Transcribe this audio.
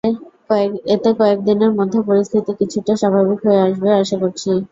এতে কয়েক দিনের মধ্যে পরিস্থিতি কিছুটা স্বাভাবিক হয়ে আসবে আশা করছি।